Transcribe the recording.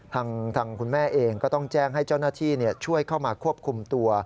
ทางคุณแม่เองก็ต้องแจ้งให้เจ้าหน้าที่ช่วยเข้ามาควบคุมตัว